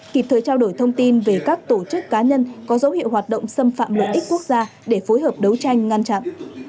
kịp thời trao đổi thông tin về các tổ chức cá nhân có dấu hiệu hoạt động xâm phạm lợi ích quốc gia để phối hợp đấu tranh ngăn chặn